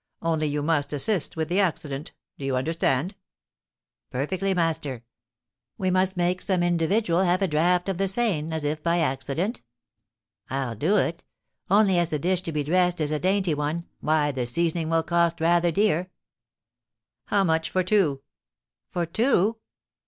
Only you must assist with the accident. Do you understand?' 'Perfectly, master; we must make some individual have a draught of the Seine, as if by accident? I'll do it; only, as the dish to be dressed is a dainty one, why, the seasoning will cost rather dear.' 'How much for two?' 'For two?